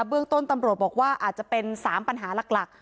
เรื่องต้นตำรวจบอกว่าอาจจะเป็น๓ปัญหาหลัก